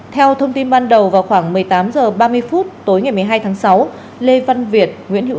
theo thông tin ban đầu vào khoảng một mươi tám h ba mươi phút tối ngày một mươi hai tháng sáu lê văn việt nguyễn hữu